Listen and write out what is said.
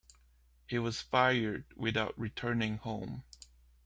He was fired without returning home.